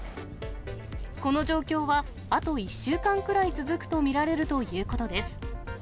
この状況は、あと１週間くらい続くと見られるということです。